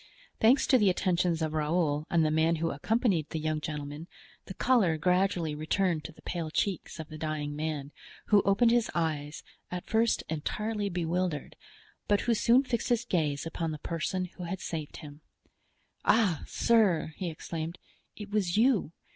Thanks to the attentions of Raoul and the man who accompanied the young gentleman, the color gradually returned to the pale cheeks of the dying man, who opened his eyes, at first entirely bewildered, but who soon fixed his gaze upon the person who had saved him. "Ah, sir," he exclaimed, "it was you!